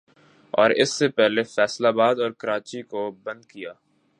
اور اس سے پہلے فیصل آباد اور کراچی کو بند کیا